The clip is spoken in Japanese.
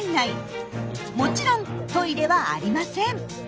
もちろんトイレはありません。